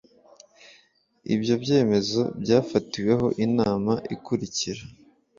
ibyo byemezo byafatiweho inama ikurikira